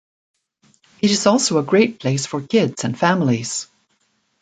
It is also a great place for kids and families.